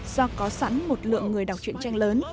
do có sẵn một lượng người đọc chuyện tranh lớn